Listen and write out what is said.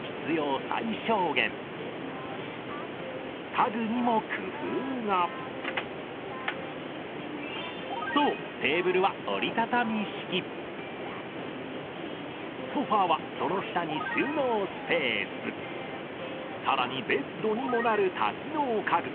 家具にも工夫がそうソファはその下に収納スペースさらにベッドにもなる多機能家具